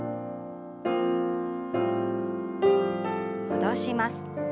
戻します。